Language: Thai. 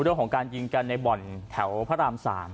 เรื่องของการยิงกันในบ่อนแถวพระราม๓